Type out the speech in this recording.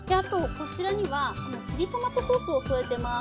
こちらにはチリトマトソースを添えてます。